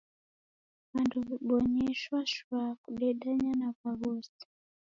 W'andu w'ibonye shwashwa kudedanya na w'aghosi.